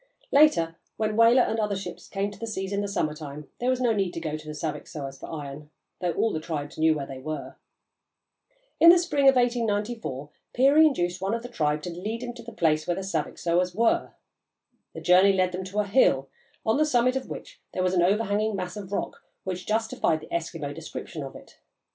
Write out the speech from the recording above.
Later, when whaler and other ships came to the seas in the summer time, there was no need to go to the Saviksoahs for iron, though all the tribes knew where they were. In the spring of 1894 Peary induced one of the tribe to lead him to the place where the Saviksoahs were. The journey led them to a hill, on the summit of which there was an overhanging mass of rock which justified the Eskimo description of it.